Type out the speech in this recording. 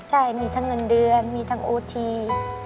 ใช่มีทั้งเงินเดือนมีทั้งโอที